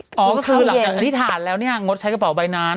ก็คือหลังจากนี้งดใช้กระเป๋าดัยนาน